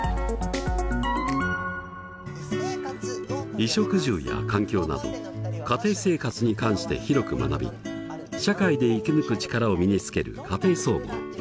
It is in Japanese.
衣食住や環境など家庭生活に関して広く学び社会で生き抜く力を身につける「家庭総合」。